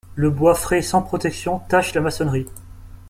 Le bois frais sans protection tache la maçonnerie.